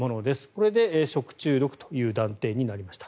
これで食中毒という断定になりました。